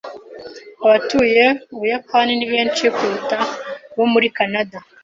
Abatuye Ubuyapani ni benshi kuruta abo muri Kanada.